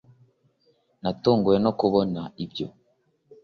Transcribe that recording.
natunguwe no kubona ibyo